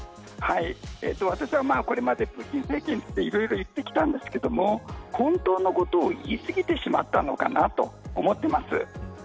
私はこれまでプーチン政権にいろいろ言ってきたんですが本当のことを言い過ぎてしまったのかなと思っています。